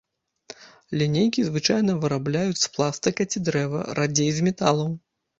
Лінейкі звычайна вырабляюць з пластыка ці дрэва, радзей з металаў.